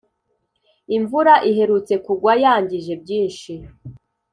Imvura iherutse kugwa yangije byinshi